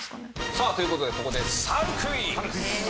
さあという事でここでサルクイズ！